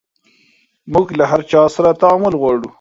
موژ له هر چا سره تعامل غواړو